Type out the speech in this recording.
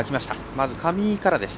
まず、上井からです。